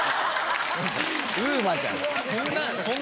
ＵＭＡじゃん。